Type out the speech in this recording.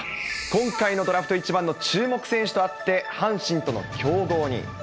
今回のドラフト１番の注目選手とあって、阪神との競合に。